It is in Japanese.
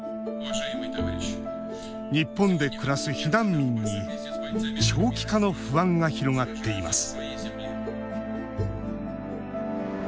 日本で暮らす避難民に「長期化の不安」が広がっています